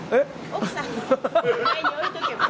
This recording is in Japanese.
奥さんの前に置いとけば？